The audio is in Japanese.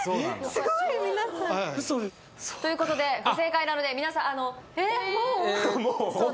すごい皆さんということで不正解なので皆さんえっもう？